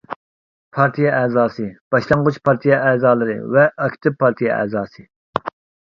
پارتىيە ئەزاسى، باشلانغۇچ پارتىيە ئەزالىرى ۋە ئاكتىپ پارتىيە ئەزاسى.